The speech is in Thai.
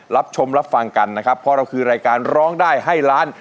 รับชมรับฟังกันนะครับเพราะเราคือรายการร้องได้ให้ล้าน